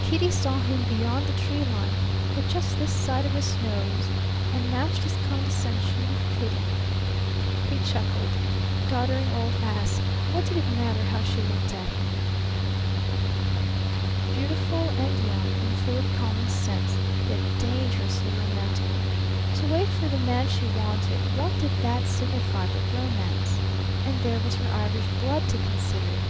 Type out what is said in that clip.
Kitty saw him beyond the tree line, but just this side of the snows and matched his condescension with pity! He chuckled. Doddering old ass, what did it matter how she looked at him? Beautiful and young and full of common sense, yet dangerously romantical. To wait for the man she wanted, what did that signify but romance? And there was her Irish blood to consider.